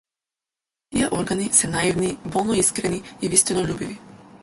Тие органи се наивни, болно искрени и вистинољубиви.